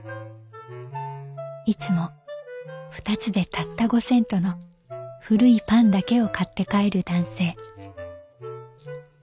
「いつも２つでたった５セントの古いパンだけを買って帰る男性」。